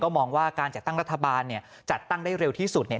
มองว่าการจัดตั้งรัฐบาลเนี่ยจัดตั้งได้เร็วที่สุดเนี่ย